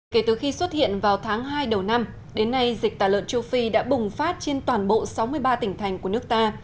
kể từ khi xuất hiện vào tháng hai đầu năm đến nay dịch tả lợn châu phi đã bùng phát trên toàn bộ sáu mươi ba tỉnh thành của nước ta